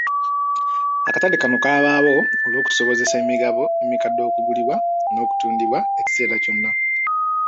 Akatale kano kabaawo olw'okusobozesa emigabo emikadde okugulibwa n'okutundibwa ekiseera kyonna.